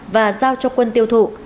và giao cho quân tiêu thụ